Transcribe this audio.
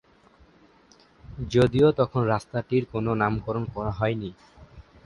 যদিও তখন রাস্তাটির কোন নামকরণ করা হয়নি।